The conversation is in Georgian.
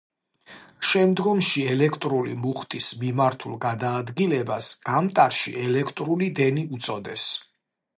შემდგომში ელექტრული მუხტის მიმართულ გადაადგილებას გამტარში ელექტრული დენი უწოდეს.